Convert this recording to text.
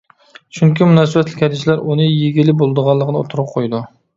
چۈنكى مۇناسىۋەتلىك ھەدىسلەر ئۇنى يېگىلى بولىدىغانلىقىنى ئوتتۇرىغا قويىدۇ.